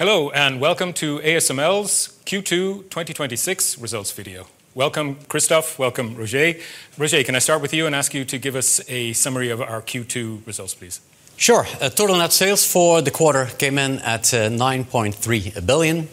Hello, welcome to ASML's Q2 2026 results video. Welcome, Christophe. Welcome, Roger. Roger, can I start with you and ask you to give us a summary of our Q2 results, please? Sure. Total net sales for the quarter came in at 9.3 billion,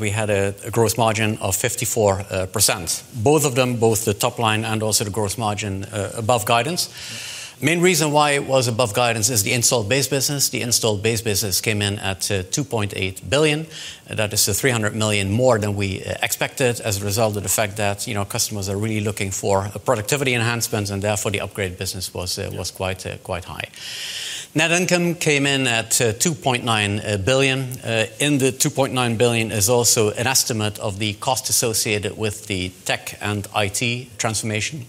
we had a gross margin of 54%, both of them, both the top line and also the gross margin, above guidance. Main reason why it was above guidance is the installed base business. The installed base business came in at 2.8 billion. That is 300 million more than we expected as a result of the fact that customers are really looking for productivity enhancements. Therefore, the upgrade business was quite high. Net income came in at 2.9 billion. In the 2.9 billion is also an estimate of the cost associated with the tech and IT transformation,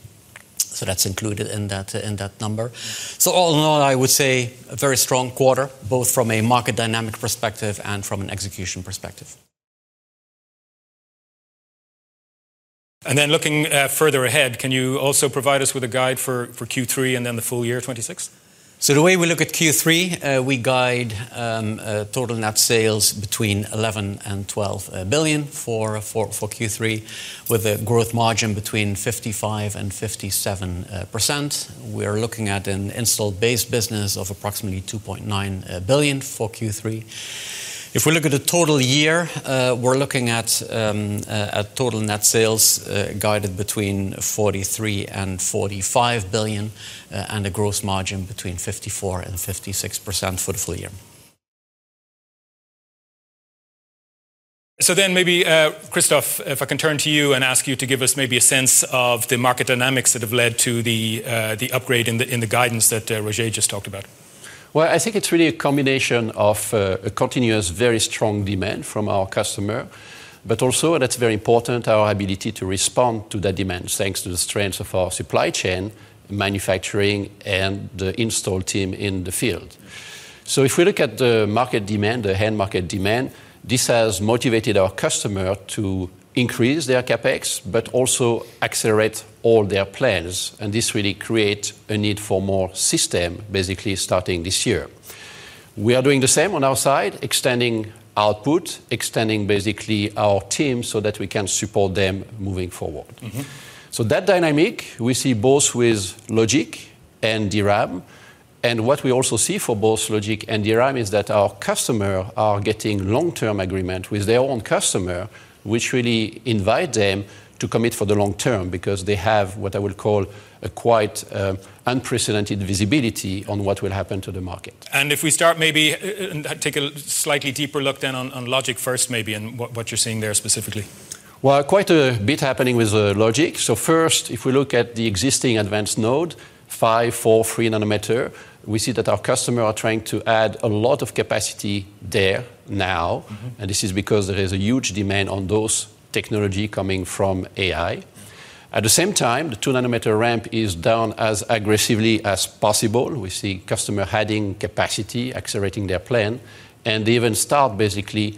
that's included in that number. All in all, I would say a very strong quarter, both from a market dynamic perspective and from an execution perspective. Looking further ahead, can you also provide us with a guide for Q3 and the full year of 2026? The way we look at Q3, we guide total net sales between 11 billion and 12 billion for Q3, with a gross margin between 55% and 57%. We are looking at an installed base business of approximately 2.9 billion for Q3. If we look at the total year, we're looking at total net sales guided between 43 billion and 45 billion, a gross margin between 54% and 56% for the full year. Maybe, Christophe, if I can turn to you and ask you to give us maybe a sense of the market dynamics that have led to the upgrade in the guidance that Roger just talked about. Well, I think it's really a combination of a continuous, very strong demand from our customer, but also that's very important, our ability to respond to that demand thanks to the strength of our supply chain, manufacturing, and the install team in the field. If we look at the market demand, the end market demand, this has motivated our customer to increase their CapEx but also accelerate all their plans, and this really create a need for more system, basically starting this year. We are doing the same on our side, extending output, extending basically our team so that we can support them moving forward. That dynamic we see both with Logic and DRAM. What we also see for both Logic and DRAM is that our customer are getting long-term agreement with their own customer, which really invite them to commit for the long term because they have what I will call a quite unprecedented visibility on what will happen to the market. If we start maybe, and take a slightly deeper look then on Logic first maybe, and what you're seeing there specifically. Quite a bit happening with Logic. First, if we look at the existing advanced node, 5 nm, 4 nm, 3 nm, we see that our customer are trying to add a lot of capacity there now. This is because there is a huge demand on those technology coming from AI. At the same time, the 2 nm ramp is down as aggressively as possible. We see customer adding capacity, accelerating their plan, and they even start basically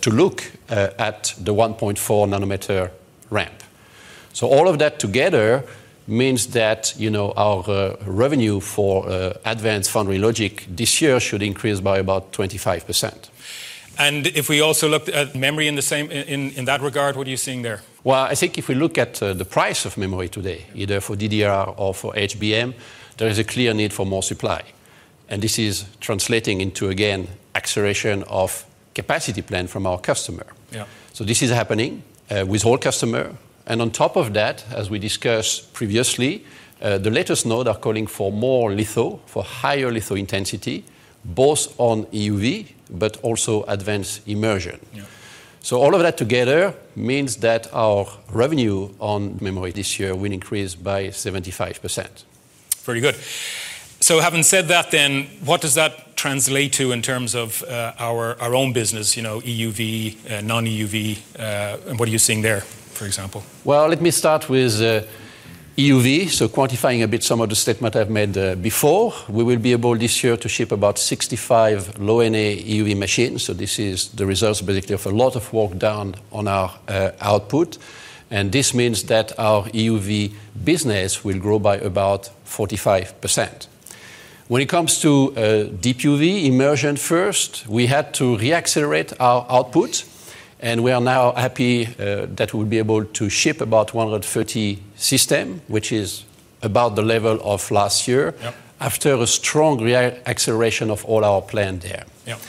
to look at the 1.4 nm ramp. All of that together means that our revenue for advanced foundry Logic this year should increase by about 25%. If we also looked at memory in that regard, what are you seeing there? I think if we look at the price of memory today- Yeah. ....either for DDR or for HBM, there is a clear need for more supply. This is translating into, again, acceleration of capacity plan from our customer. Yeah. This is happening with all customer. On top of that, as we discussed previously, the latest node are calling for more litho, for higher litho intensity, both on EUV, but also advanced immersion. Yeah. All of that together means that our revenue on memory this year will increase by 75%. Very good. Having said that then, what does that translate to in terms of our own business, EUV, non-EUV? What are you seeing there, for example? Let me start with EUV, quantifying a bit some of the statement I've made before. We will be able this year to ship about 65 Low-NA EUV machines. This is the results, basically, of a lot of work done on our output, and this means that our EUV business will grow by about 45%. When it comes to DUV immersion first, we had to re-accelerate our output, and we are now happy that we'll be able to ship about 130 system, which is about the level of last year- Yep. ...after a strong re-acceleration of all our plan there. Yep.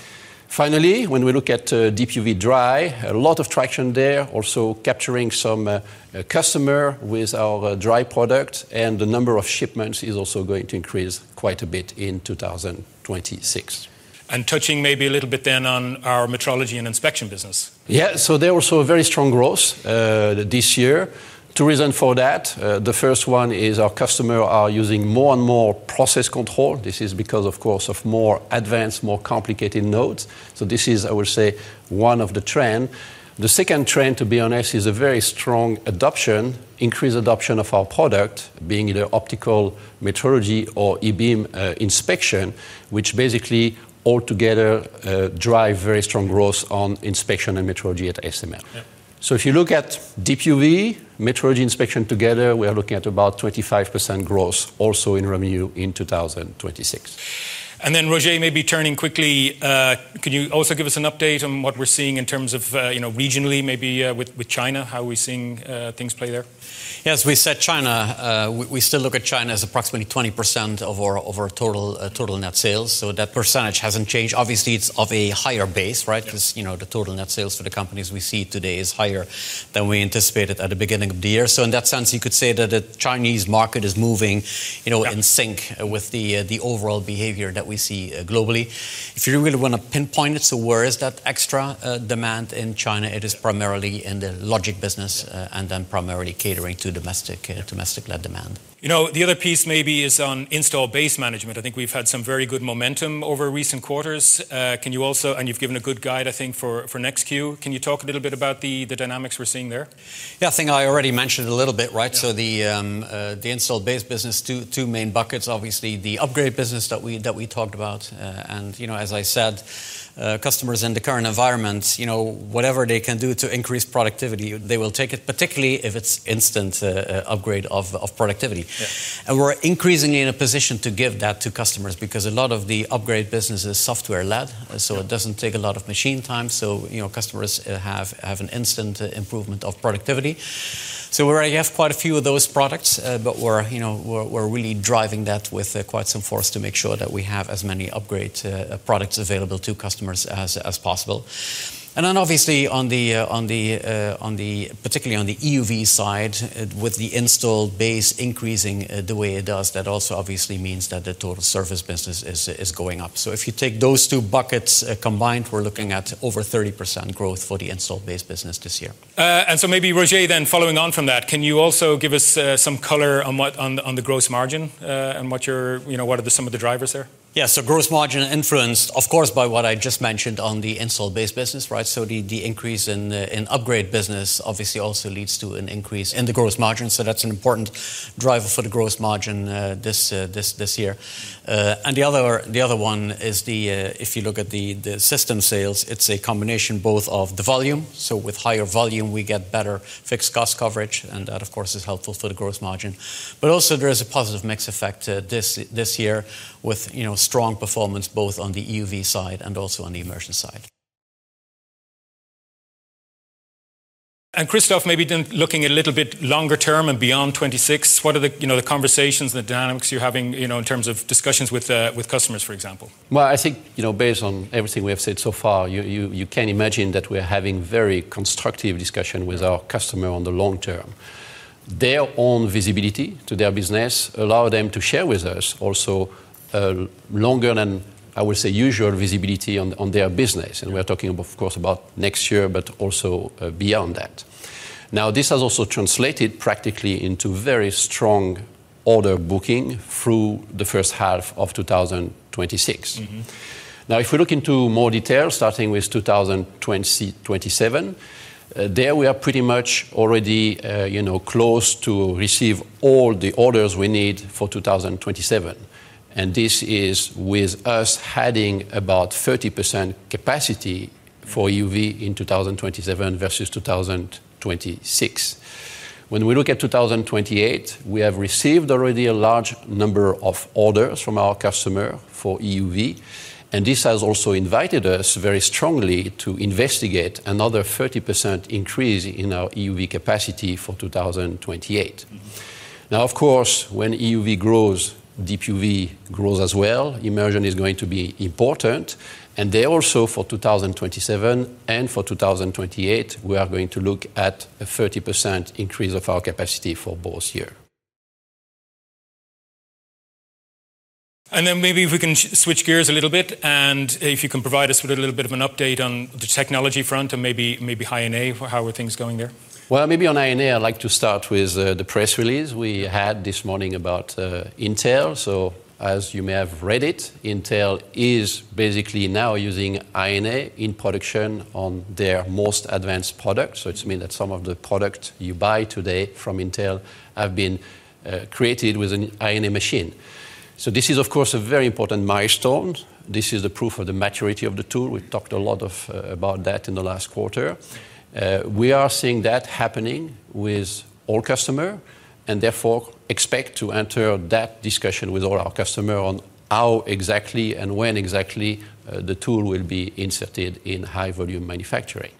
When we look at DUV dry, a lot of traction there, also capturing some customer with our dry product, the number of shipments is also going to increase quite a bit in 2026. Touching maybe a little bit then on our Metrology & Inspection business. Yeah. There also a very strong growth this year. Two reason for that. The first one is our customer are using more and more process control. This is because, of course, of more advanced, more complicated nodes. This is, I would say, one of the trend. The second trend, to be honest, is a very strong adoption, increased adoption of our product, being either optical metrology or e-beam inspection, which basically altogether drive very strong growth on inspection and metrology at ASML. Yeah. If you look at DUV metrology inspection together, we are looking at about 25% growth also in revenue in 2026. Roger, maybe turning quickly, could you also give us an update on what we're seeing in terms of regionally, maybe with China, how we're seeing things play there? Yes, we said China. We still look at China as approximately 20% of our total net sales, so that percentage hasn't changed. Obviously, it's of a higher base, right? Yes. The total net sales for the companies we see today is higher than we anticipated at the beginning of the year. In that sense, you could say that the Chinese market is moving- Yeah. ...in sync with the overall behavior that we see globally. If you really want to pinpoint it, so where is that extra demand in China? It is primarily in the logic business, primarily catering to domestic-led demand. The other piece maybe is on Installed Base Management. I think we've had some very good momentum over recent quarters. You've given a good guide, I think, for next Q. Can you talk a little bit about the dynamics we're seeing there? Yeah, I think I already mentioned a little bit, right? Yeah. The install base business, two main buckets, obviously the upgrade business that we talked about. As I said, customers in the current environment, whatever they can do to increase productivity, they will take it, particularly if it's instant upgrade of productivity. Yeah. We're increasingly in a position to give that to customers, because a lot of the upgrade business is software-led. Okay. It doesn't take a lot of machine time. Customers have an instant improvement of productivity. We already have quite a few of those products, but we're really driving that with quite some force to make sure that we have as many upgrade products available to customers as possible. Obviously, particularly on the EUV side, with the install base increasing the way it does, that also obviously means that the total service business is going up. If you take those two buckets combined, we're looking at over 30% growth for the install base business this year. Maybe Roger, following on from that, can you also give us some color on the gross margin, and what are some of the drivers there? Gross margin influenced, of course, by what I just mentioned on the install base business, right? The increase in upgrade business obviously also leads to an increase in the gross margin. That's an important driver for the gross margin this year. The other one is, if you look at the system sales, it's a combination both of the volume. With higher volume, we get better fixed cost coverage, and that, of course, is helpful for the gross margin. Also there is a positive mix effect this year with strong performance both on the EUV side and also on the immersion side. Christophe, maybe then looking a little bit longer term and beyond 2026, what are the conversations and the dynamics you're having in terms of discussions with customers, for example? Well, I think, based on everything we have said so far, you can imagine that we're having very constructive discussion with our customer on the long term. Their own visibility to their business allow them to share with us also, longer than, I would say, usual visibility on their business. We're talking, of course, about next year, but also beyond that. This has also translated practically into very strong order booking through the first half of 2026. If we look into more detail, starting with 2027, there we are pretty much already close to receive all the orders we need for 2027, and this is with us adding about 30% capacity for EUV in 2027 versus 2026. When we look at 2028, we have received already a large number of orders from our customer for EUV, and this has also invited us very strongly to investigate another 30% increase in our EUV capacity for 2028. Of course, when EUV grows, DUV grows as well. Immersion is going to be important, and there also for 2027 and for 2028, we are going to look at a 30% increase of our capacity for both year. Maybe if we can switch gears a little bit, and if you can provide us with a little bit of an update on the technology front and maybe High-NA, how are things going there? Well, maybe on High-NA, I'd like to start with the press release we had this morning about Intel. As you may have read it, Intel is basically now using High-NA in production on their most advanced product. It means that some of the product you buy today from Intel have been created with an High-NA machine. This is, of course, a very important milestone. This is the proof of the maturity of the tool. We've talked a lot about that in the last quarter. We are seeing that happening with all customer, and therefore expect to enter that discussion with all our customer on how exactly and when exactly the tool will be inserted in high volume manufacturing.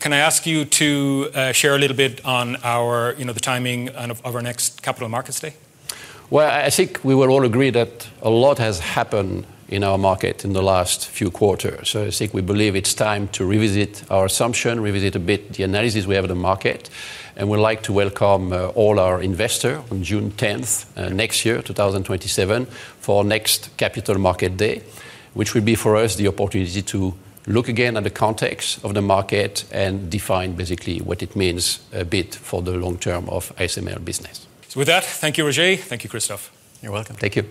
Can I ask you to share a little bit on the timing of our next Capital Markets Day? Well, I think we will all agree that a lot has happened in our market in the last few quarters. I think we believe it's time to revisit our assumption, revisit a bit the analysis we have in the market, and we'd like to welcome all our investor on June 10th next year, 2027, for next Capital Markets Day, which will be for us the opportunity to look again at the context of the market and define basically what it means a bit for the long term of ASML business. With that, thank you, Roger. Thank you, Christophe. You're welcome. Thank you.